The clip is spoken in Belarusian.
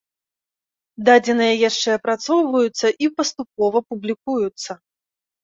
Дадзеныя яшчэ апрацоўваюцца і паступова публікуюцца.